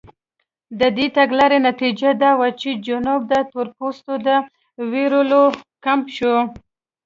د دې تګلارې نتیجه دا وه چې جنوب د تورپوستو د وېرولو کمپ شو.